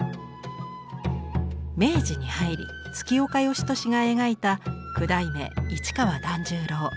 明治に入り月岡芳年が描いた九代目市川団十郎。